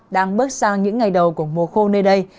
đang bước sang những ngày đầu của mùa khô nơi đây